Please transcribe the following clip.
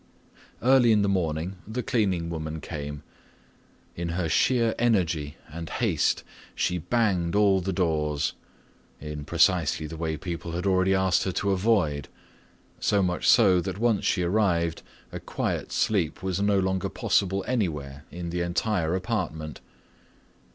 Early in the morning the cleaning woman came. In her sheer energy and haste she banged all the doors—in precisely the way people had already asked her to avoid—so much so that once she arrived a quiet sleep was no longer possible anywhere in the entire apartment.